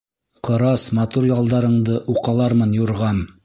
Ҡырас матур ялдарыңды уҡалармын, юрғам